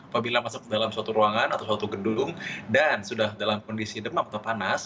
apabila masuk ke dalam suatu ruangan atau suatu gedung dan sudah dalam kondisi demam atau panas